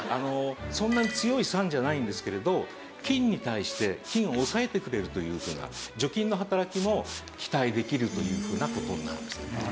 そんなに強い酸じゃないんですけれど菌に対して菌を抑えてくれるというふうな除菌の働きも期待できるというふうな事になるんですね。